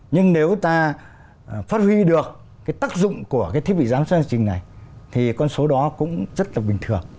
nhưng nếu ta phát huy được cái tác dụng của cái thiết bị giám sát hành trình này thì con số đó cũng rất là bình thường